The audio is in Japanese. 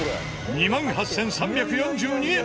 ２万８３４２円！